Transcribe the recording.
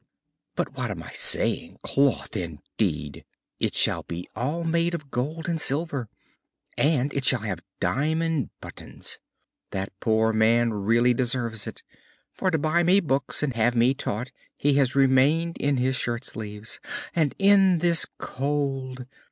But what am I saying? Cloth, indeed! It shall be all made of gold and silver, and it shall have diamond buttons. That poor man really deserves it, for to buy me books and have me taught he has remained in his shirt sleeves. And in this cold!